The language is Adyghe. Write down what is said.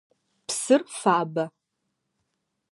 Псыр фабэ.